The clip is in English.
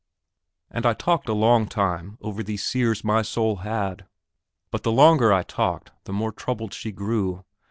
And I talked a long time over these sears my soul had. But the longer I talked, the more troubled she grew.